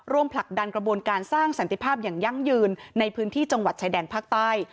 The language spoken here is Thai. ผลักดันกระบวนการสร้างสันติภาพอย่างยั่งยืนในพื้นที่จังหวัดชายแดนภาคใต้